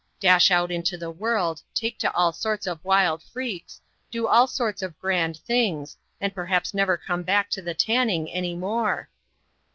dash out into the world, take to all sorts of wild freaks, do all sorts of grand things, and perhaps never come back to the tanning any more."